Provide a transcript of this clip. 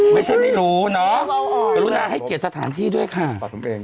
ไม่ใช่ไม่รู้เนาะกรุณาให้เกียรติสถานที่ด้วยค่ะปัดตรงเอง